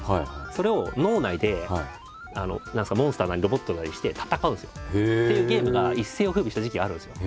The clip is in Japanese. それを脳内でモンスターなりロボットなりにして戦うんですよ。っていうゲームが一世を風靡した時期があるんですよ。